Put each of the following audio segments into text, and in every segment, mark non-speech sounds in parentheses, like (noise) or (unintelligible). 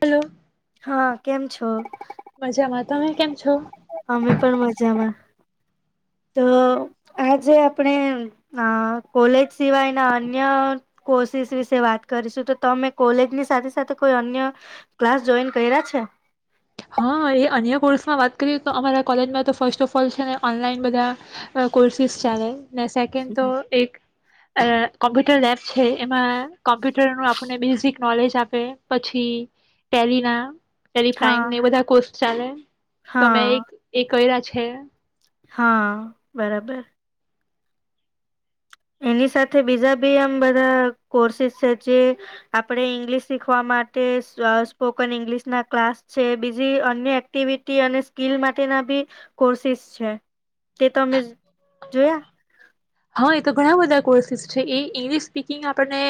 Hello. હા, કેમ છો? મજામાં, તમે કેમ છો? અમે પણ મજામાં, તો આજે આપણે કોલેજ સિવાયના અન્ય કોર્સીસ વિશે વાત કરીશું, તો તમે કોલેજની સાથે સાથે કોઈ અન્ય ક્લાસ જોઈન કઇરા છે? હા, એ અન્ય કોર્સમાં વાત કરીએ તો અમારા કોલેજમાં તો ફર્સ્ટ ઓફ ઓલ છે. ને ઓનલાઈન બધા કોર્સિસ ચાલે ને સેકન્ડ તો એક અ કોમ્પ્યુટર લેબ છે એમાં કોમ્પ્યુટ ું આપને બેઝિક નોલેજ આપે પછી, ટેલના ચરી ફ્રાય હા ને બધા કો ચાલે તોમે હા એક એ કહી રહ્યા છ છે હા બરાબર એની સાથે બીજા બી આમ બધા કોર્સિસ છે જે આપણે (unintelligible) શીખવા માટે સ્પોકન ઈંગ્લિશ ના ક્લાસ છે, બીજી અન્ય એક્ટિવિટી અને સ્કીિલ માટેના બી કોર્સિસ છે. તે તો અમે જોયા. હા એ તો ઘણા બધા કોર્સિસ છે, એ ઇંગ્લિશ સ્પીકિંગ આપણને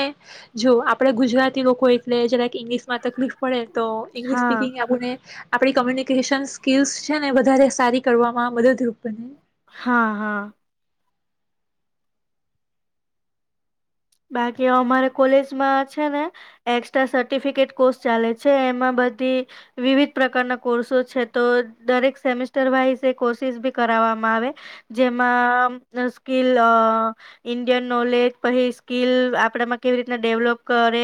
જો આપણે ગુજરાતી લોકો એટલે જરા કે ઇંગ્લિશમાં તકલીફ પડે, તો ઇંગલિશ હા સ્પીકિંગ એમને, આપણી કોમ્યુનિકેશન સ્કીલ્સ છે ને વધારે સારી કરવામાં મદદરૂપ બને હા હા બાકી અમારે કોલેજમાં છે ને એક્સ્ટ્રા સર્ટિફિકેટ કોર્સ ચાલે છે એમાં બધી વિવિધ પ્રકારના કોર્સો છે તો દરેક સેમેસ્ટર (unintelligible) એ કોર્સિસ બી કરાવવામાં આવે જેમાં સ્કીલ ઇન્ડિયન નોલેજ પ સ્કિલ આપણામાં કેવી રીતના ડેવલોપ કરે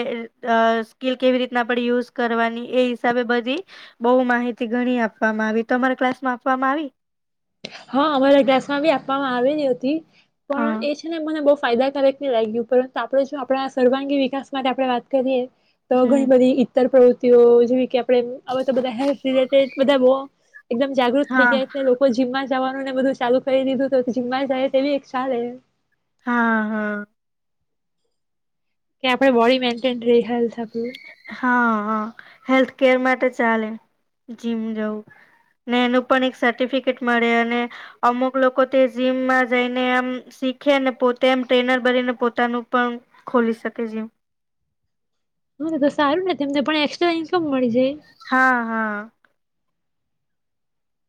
સ્કીિલ કેવી રીતના આપણે યુઝ કરવાની એ હિસાબે બધી બહુ માહિતી ઘણી આપવામાં આવી તો અરા ક્લાસમાં આપવામાં આવી હા, અમારા ગ્લાસ માં બી આપવામાં, આવે નતી પણ હા એ છે, ને મને બહુ ફાયદાકારક નહી લાગ્યું પરંતુ આપણે જો આપણા સર્વાંગી વિકાસ માટે આપણે વાત કરીએ તો હમ ઘણી બધી ઈતર પ્રવૃતિ તે જેમ કે આપ તો બધા હેલ્થ રિલેટેડ બધા એકદમ જાગૃત થઈ હા ગાય છે લોકો જીમમાં જવાનું ને, બધું ચાલુ કરી દીધું તો જીમમાં જાય તેવી એક ચલ હમ, હા હા કે આપણે બોડી મેન્ટેન રહી હેલ્થ ઓ હા હા હેલ્થકેર માટે ચાલે જીમ જવું ને એનું પણ એક (unintelligible) મળે અને અમુક લોકો તે જીમમાં જઈને એમ શીખે ને પોતે એમ ટ્રેનર ભરીને પોતાનું પણ ખોલી શકે જીમ હને તો સારું ને તેમને પણ એક્સ્ટ્રા ઇન્કમ મળી જાય હા હા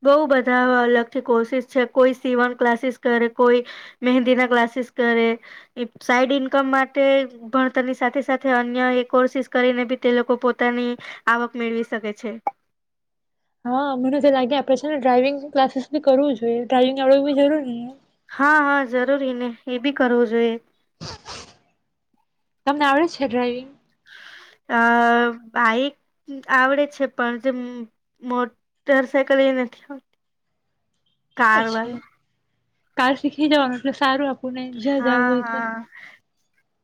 બહ બધા અલગથી કોર્સિસ છે, કોઈ સીવન ક્લાસીસ કરે કોઈ મહેંદીના ક્લાસીસ કરે સાઈડ ઈન્કમ માટે ભણતરની સાથે સાથે અન્ય એ કોર્સિસ કરીને બી તે લોકો પોતાની આવક મેળવી શકે છે. હા મને તો લાગે આપડે ને ડ્રાઈવિંગ ક્લાસીસ બી કરવું જોઈએ ડ્રાઈિંગ આવવ બી જરૂર ન હા હા જરૂરી ને એ બી કરવું જોઈએ તમને આવડે જ છે ડ્રાઈવિંગ અ બાઈક આવડે છે પણ જે મોટર સાયકલ એ નથી આવત કાર વાલ અચ્છા કાર શીખી જવાનું એટલે સારું આપ હા હા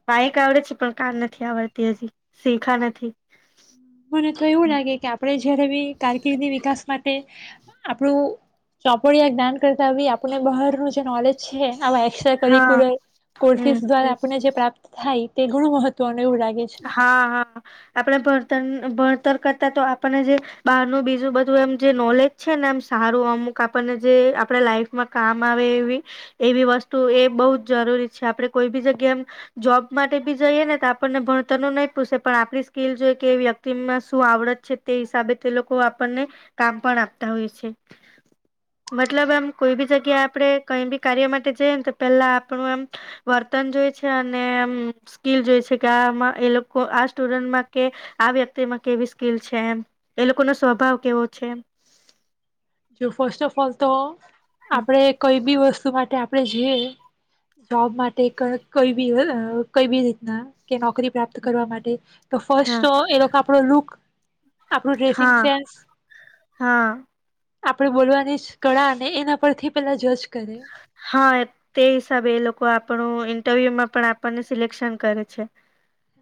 બાઈક આવડે છે. પણ કાર નથી આવડતી હજી શીખા નથી મને તો એવું લાગે કે આપડે જયારે બી કારકિર્દી વિકાસ માટ પે આપણું ચોપોળિયા જ્ઞાન કરતા આવી આપણને બહારનું જે નોલેજ છે આવા એસ્ટ્રા હા કરિક્યુલર હમ કોર્સસ દ્વારા આપને જે પ્રાપ્ત થાય તે ઘણું મહત્વનું એવું લાગે છે હા હા આપણે ભર્તણ ભણતર કરતા તો આપણને જે બહારનું બીજું બધું એમ જે નોલેજ છે ને એમ સારું અમુક આપણને જે આપડા લાઈફમાં કામ આવે એવી એવી વસ્તુ એ બહ જ જરૂરી છે આપડે કોઈ બી જગ્યા એમ જોબ માટે બી જઈએ ને તો આપણને ભણ તન નુ નય પૂછે પણ આપણી સ્કીિલ જોઈ કે વ્યક્તિમાં શું આવડત છે તે હિસાબે તે લોકો આપણને કામ પણ આપતા હોય છે મતલબ એમ કોઈ બી જગ્યા આપણે કઈ બી કાર્ય માટે જઈ ને તો પેલા આપણું એમ વર્તન જોય છે અને એમ સ્કીિલ જોઈ છે કે આમા એ લોકો આ સ્ટુડન્ટમાં કે આ વ્યક્તિમાં કેવી સ્કીલ છે એમ એ લોકોનો સ્વભાવ કેવો છે. જો ફસ્ટ ઓફ ઓલ તો એમ. આપડે કોઈ બી વસ તું માટે આપડે જે જોબ માટે કણક કઈ બી હૈ ના કઈ ભી રીતના કે નોકરી પ્રાપ્ત કરવા માટે તો ફર્સ્ટ હા ઓ એ લોકા આપડો લુક આપણું ડ્રેસિંગ હા સેન્સ હા આપણે બોલવાની જ કળા ને એના પરથી પેલા જજ કરે હા, એ તે હિસાબે એ લોકો આપ પણું ઇન્ટરવ્યુ માં પણ આપણને સિલેક્શન કરે છે.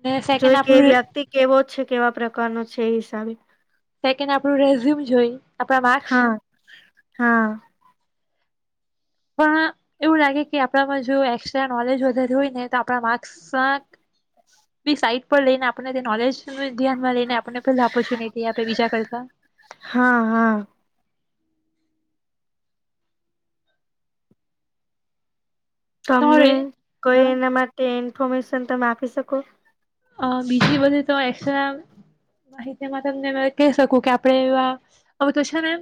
ને સેકન્ડ જોઈ કે આપણું વ્યક્તિ કેવો છે કેવા પ્ર કાનો છે એ હિસાબે. સેકન્ડ આપણું રેઝ્યુમ જોઈ આપડા માર્ક્સ હા હા. પણ એવું લાગે કે આપણામાં જો એકસ્ટ્રા નોલેજ વધારે હોય ને તો આપણા માર્ક્સ સાટ બી સાઈટ પર લઈને આપણને તે નોલેજ ને ધ્યાનમાં લઈને આપ આપણને પેલાં ઓપોર્ચ્યુનિટી આપે બીજા કરતા. હા હા તોમને તમારે કઈ હા એના માટે ફોર્મેશન તમે આપી શકો. અહ બીજી બધુ તો એકસ્ટ્રા માહિતીમાં તમને મેં કહી શકું કે આપડે એવા હવે તો છે ને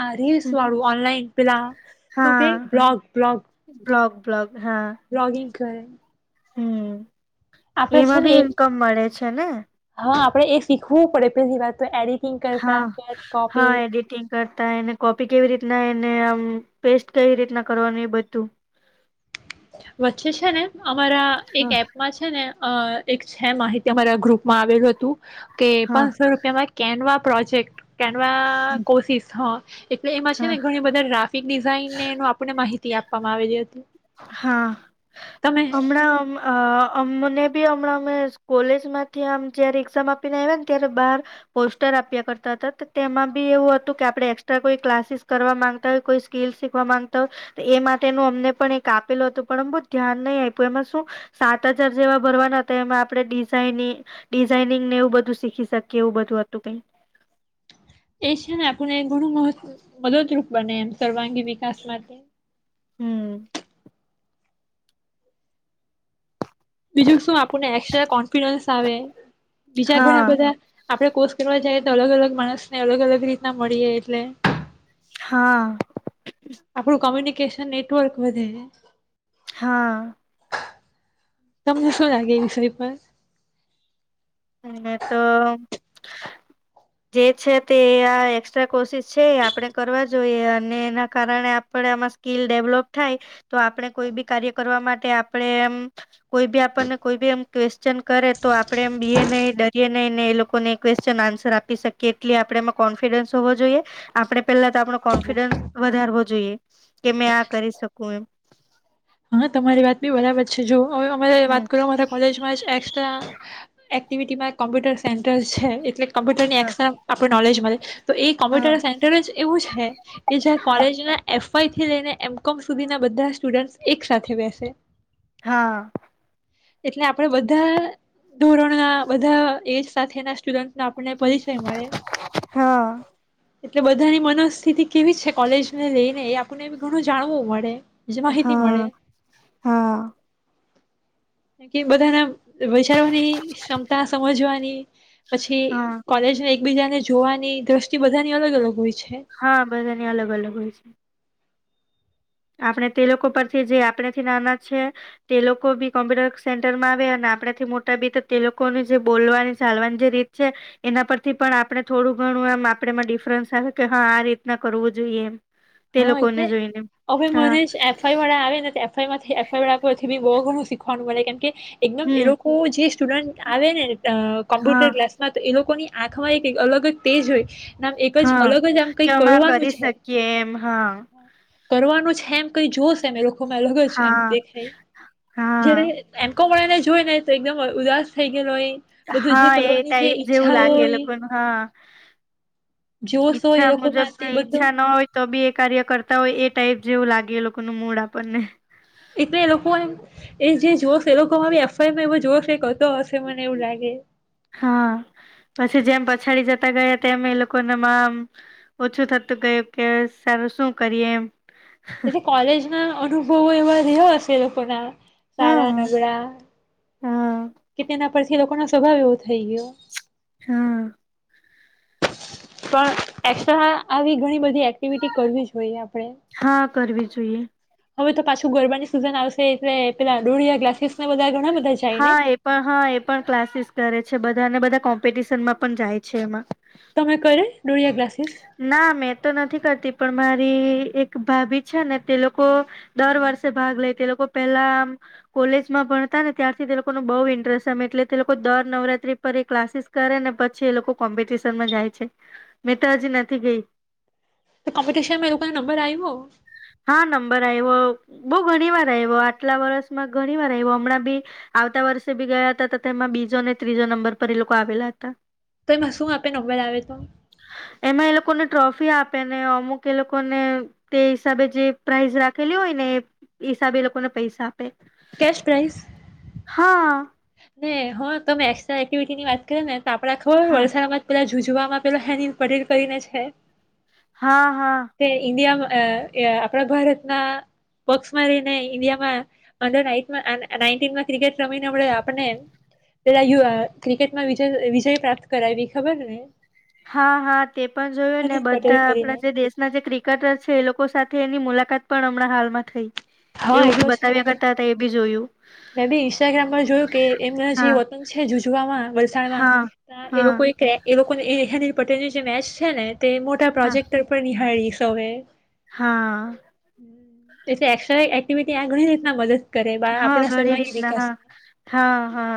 આ રીલ્સ હમ વાળું ઓનલાઈન પેલા શું કેય હા બ્લોગ બ્લોગ બ્લોગ બ્લોગ. હા. બ્લોગિંગ કરે. હમ્મ. આપણે છે એમાં ને ભી ઇન્કમ મળે છે ને. આપણે એ શીખવું પડે પહેલી વાત. તો એડિટિંગ કરતા હા કટ કોપી હા એડિટિંગ કરતા એને કોપી કેવી રીતના એને અમ પેસ્ટ કઈ રીતના કરવાનું એ બધું. વચ્ચે છે ને... અમારા એક હા એપમાં છે ને... અ એક છે માહિતી અમારા ગ્રુપમાં આવેલું હતું. કે હા પાનસો રૂપિયામાં કેનવા... પ્રોજેક્ટ. કેનવા કોર્સીસ હ. એટલે એમાં છે હા ને ઘણી બધા ગ્રાફિક ડિઝાઇન ને એનું આપણને માહિતી... તી આપવામાં આવેલી હતી. હા તમે અમણાં અમ અ અમને બી હમણાં અમે કોલેજમાંથી આમ જ્યારે એક્ઝામ આપીને આવ્યા ને ત્યારે બહાર પોસ્ટર આપ્યા કરતા હતા, તો તેમાં બી એવું હતું કે આપણે એકક્સ્ટ્રા કોઈ ક્લાસીસ કરવા માંગતા હોય કોઈ સ્કીલ શીખવા માંગતા હોય તો એ માટેનું અમને પણ એક... કાપેલો હતું પણમ બહુ ધ્યાન નહી આપ્યું એમાં શું સાત હજાર જેવા ભરવાના હતા એમાં આપણે ડિઝાઇનીગ ડિઝાઇનિંગ ને એવું બધું શીખી શકીએ એવું બધું હતું કઈ... એ છે ને આપણને ઘણું મહત મદદરૂપ બને એમ સર્વાંગી વિકાસ માટે. હમ. બીજું શું આપણને એકસ્ટ્રા કોન્ફિડન્સ આવે બીજા ઘણા હા બધા... આપડે કોર્સ કરવા જાઈએ તો અલગ અલગ માણસને અલગ અલગ રીતના મળીએ એટલે... હા. આપણું નેટવર્ક વધે. હા. તમને શું લાગે એ વિષય પર. હ તો જે છે તે આ એક્સ્ટ્રા કોર્સિસ છે એ આપણે કરવા જોઈએ, અને એના કારણે આપણે આમાં સ્કીલ ડેવલોપ થાય, તો આપણે કોઈ બી કાર્ય કરવા માટે આપણે એમ... કોઈ બી આપણને કોઈ બી એમ... ક્વેશ્ચન કરે તો આપડે એમ. બ નહી ડરએ નહી ને એ લોકોને ક્વેશ્ચન આન્સર આપી શકીએ એટલે આપણે એમાં કોન્ફિડન્સ હોવો જોઈએ આપણે પેલા... આપડો કોન્ફિડન્સ વધારવો જોઈએ. કે મેં આ કરી શકું એમ. હા તમારી વાત બી બરાબર છે જુઓ. હવે અમારે હમ વાત કરું અમારા કોલેજમાં જ એસ. એક્ટિવિટીમાં કોમ્પ્યુટર સેન્ટર છે એટલે. કમ્પ્યુર ની એ હા આપણે નોલેજ. હ. (unintelligible) તો એ હા કોમ્પ્યુટર સેન્ટર જ એવું છે કે જ્યાં કોલેજના એફ ફઈથી લઈને એમ કોમ સુધીના બધા સ્ટુડન્ટ્સ એક સાથે બેસે હા એટલે આપડે બધા ધોરણ બધા એક સાથે ના સ્ટુડન્ટ આપને પરિસય મળે હા એટલે બધાની મનોસ્થિતિ કેવી છે કોલેજ ને લઈને એ આપણને ઘણું જાણવું મળે એમ જે માહિત હા હા કે બધાને વિચારવાની ક્ષમતા સમજવાની પછી હા કોલેજને એકબીજાને જોવાની દ્રષ્ટિ બધાની અલગ અલગ હોય છે હા બધાની અલગ અલગ હોય છે આપણે તે લોકો પરથી જે આપણેથી નાના છે તે લોકો બી કોમ્પ્યુટર સેન્ટરમાં આવે અને આપણેથી મોટા બી તે લોકોને જે બોલવાની ચાલવાની જે રીત છે એના પરથી પણ આપણે થોડું ઘણું એમ આપમાં ડિફરન્સ આવે કે હા આ રીતના કરવું જોઈએ એમ તે લોકોને જોઈને હ હા મનેશ એફઆઈ વાળા આવે ને તેમાંથી એફવાળા પછી બહુ ઘણું સીખવાનું મળે કેમ કે એકદમ એ હમ લોકો જે સ્ટુડન્ટ આવે ને અ હા કોમ્પ્યુટર ક્લાસમાં તો એ લોકોની આંખમાં એક અલગ તેજ હોય આમ એક જ હા અલગ જ આમ કે કંઈક અમાં કરવાનું કરી છે શકીએ એમ હા (inaudible) કરવાનું છે એમ કઈ જોશ એમ એવો (inaudible) એમ હા કે છઈ. જે હા એમ કોમ વાળાને જોઈને તો એકદમ ઉદાસ થઇ ગેલો હોય બધું જે હા એ કરવાની જે ટાઈપ જેવું ઈચ્છા લાગે હોય લોકોને હા જોશ હોય ઈચ્છા એ મુજબ લોકોમાં તે બધું ઈચ્છા ના હોય તો બી એ કાર્ય કરતા હોય એ ટાઈપ જેવું લાગે એ લોકોનું મૂડ આપણને એટલે એ લોકો એમ એ જે જોશ એ લોકો એફઆઈ જો હા પછી જેમ પછાડી જતા ગયા એ લોકોને ઓછું થતું ગયું કે સારું શું કરીએ એમ એથી કોલજના અનુભવો એવા રહ્યા હશે એ લો આપણા હા સારા નબળા હા કે તેના પછી લોકો ના સ્વભાવ એવો થઈ ગયો. હા. પણ એક્સ્ટ્રા આવી ઘણી બધી એ ટીવીટી કરવી જોઈએ આપડે. હા કરવી જોઈએ હવે તો પાછું ગરબાની સિઝન આવશે એટલે પેલા ડોળિયા ગ્લાસીસ હા, એ પણ હા એ પણ ક્લાસીસ કરે છે બ ધાના બધા કોમ્પિટિશન માં પણ જાય છે એમાં. તમે કરે ડોળિયા ક્લાસીસ ના મેં તો નથી કર તે પણ મારી એક ભાભી છે ને તે લોકો દર વર્ષે ભાગ લે તે લોકો પેલા કોલેજમાં ભણતા ને ત્યારથી તે લોકો ન બહુ ઇન્ટરેસ્ટમે એટલે તે લોકો દર નવરાત્રી પર એ ક્લાસીસ કરે ને પછી એ લોકો કોમ્પિટિશનમાં જાય છે. મેં તો હજી નથી ગઈ. તો કોમ્પિટિશનમાં એ લોકોના નંબર આવ્યો? હા નંબર આઈવો. બહુ ઘણી વાર આઈવો આ આટલા વર્ષમાં ઘણી વાર આવ્યો હમણાં બી આવતા વર્ષે બી ગયા હતા તેમાં બીજો ને ત્રીજો નંબર પર એ લોકો આવેલા હતા. તો એમાં શું આપે નંબર આવિયો થો? એમાં એ લોકોને ટ્રોફી આપે ને અમુક એ લોકોને તે હિસાબે જે પ્રાઇઝ રાખેલી હોય ને એ હિસાબે એ લોકો ને પૈસા આપે કેશ પ્રાઈઝ? હા. ને હ તમે એકક્સ્ટ્રા એક્ટિવિટી ની વાત કર ને તો આપડા ખબર હા વલસા માં પેલાજ જૂજવામાં પેલા હેનીન પટેલ કરીને છે હા હા. અહ એ આપણા ભારતના પક્ષમાં રહીને ઇન્ડિયામાં અંડર નાઇટ માં એન નાઈનટીન માં ક્રિકેટ રમીનેે આપડે આ પન ને પેલા યુ એ ક્રિકેટમાં વિજય વિજય પ્રાપ્ત કરાઈવી ખબર ને હા હા તે પણ જોયું ને હનિલ પટેલ બધા આપણા કરીને જે દેશના જે ક્રિકેટર છે એ લોકો સાથે એની મુલાકાત પણ હમણાં હાલ માં થઈ. હા એ એવું તો બી છે બતાવ્યા કરતા હતા એ બી જોયું. મેં બી ઇન્સ્ટાગ્રામ પર જોયું કે એમના જે હા વકિલ છે જુજવામાં હા વલસાડમાં એ હા લોકોએ એ હો ની પટેેલની જે મેચ છેને તે મોટા હા પ્રજેક્ટર ઉપર નિહારી છું તવે હા તે એક્સ્ટ્રા એકટીવિટી આ ઘણી રીતના મદદ કરે બા હા ઘણી રીતના હા હા હા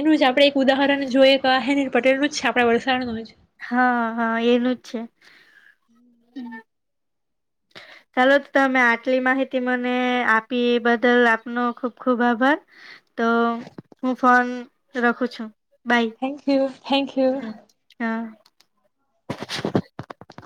એનું આપણે એક ઉદાહરણ જોઈએ કે આ હેનીલ પટેલનું જ છે આપડા વલસાડ નું જ હા હા એનું જ છે ચાલો તમે આટલી માહિતી મને આપી બદલ આપનો ખુબ ખુબ આભાર તો હું ફોન રખું છું bye thank you thank you હમ હા (inaudible)